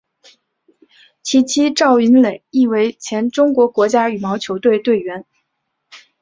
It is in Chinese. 其妻赵芸蕾亦为前中国国家羽毛球队队员。